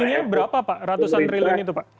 nilainya berapa pak ratusan triliun itu pak